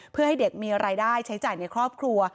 เพื่อให้เด็กมีรายได้ใช้จ่ายในครอบครัว